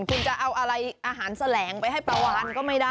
คุณจะเอาอะไรอาหารแสลงไปให้ปลาวานก็ไม่ได้